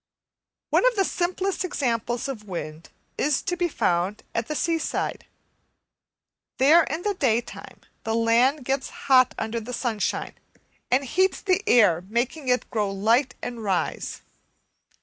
One of the simplest examples of wind is to be found at the seaside. there in the daytime the land gets hot under the sunshine, and heats the air, making it grow light and rise.